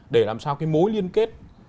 để làm sao cái mối liên kết